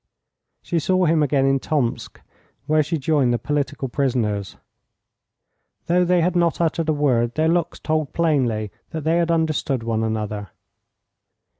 She saw him again in Tomsk, where she joined the political prisoners. Though they had not uttered a word, their looks told plainly that they had understood one another.